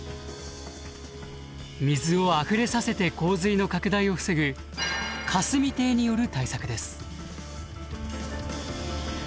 水をあふれさせて洪水の拡大を防ぐ霞堤による対策です。